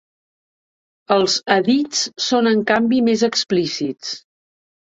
Els hadits són, en canvi, més explícits.